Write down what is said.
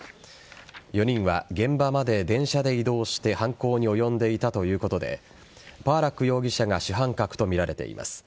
４人は、現場まで電車で移動して犯行に及んでいたということでパーラック容疑者が主犯格とみられています。